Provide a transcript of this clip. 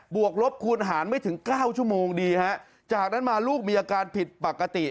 วกลบคูณหารไม่ถึงเก้าชั่วโมงดีฮะจากนั้นมาลูกมีอาการผิดปกติ